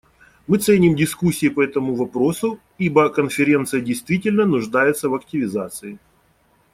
Мы ценим дискуссии по этому вопросу, ибо Конференция действительно нуждается в активизации.